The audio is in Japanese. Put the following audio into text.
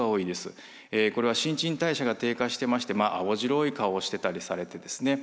これは新陳代謝が低下してまして青白い顔をしてたりされてですね